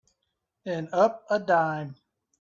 And up a dime.